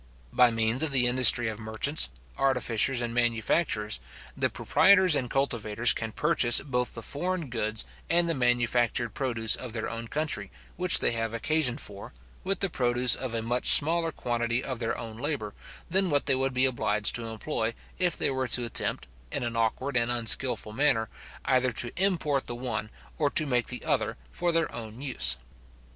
By means of the industry of merchants, artificers, and manufacturers, the proprietors and cultivators can purchase both the foreign goods and the manufactured produce of their own country, which they have occasion for, with the produce of a much smaller quantity of their own labour, than what they would be obliged to employ, if they were to attempt, in an awkward and unskilful manner, either to import the one, or to make the other, for their own use.